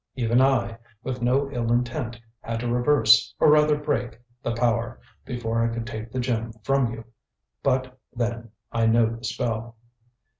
Even I, with no ill intent, had to reverse, or rather break, the power, before I could take the gem from you. But, then, I know the spell."